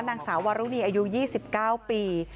นางสาววารุณีอายุยี่สิบเก้าปี